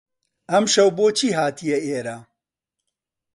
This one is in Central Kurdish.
ئەمشەو بۆچی هاتیە ئێرە؟